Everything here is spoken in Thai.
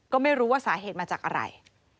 ก็ไม่รู้ว่าสาเหตุมาจากอะไร